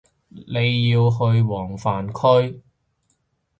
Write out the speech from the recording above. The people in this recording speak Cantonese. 你要去黃泛區